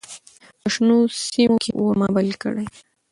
په شنو سیمو کې اور مه بل کړئ.